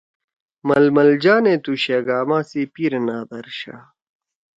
ململ جانے تُو شگاما سی پیر نادر شاہ